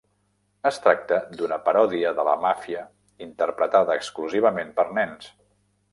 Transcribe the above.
Es tracta d'una paròdia de la màfia interpretada exclusivament per nens.